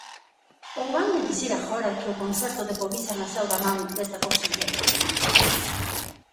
¿Ou vanme dicir agora que o concerto de Povisa naceu da man desta conselleira?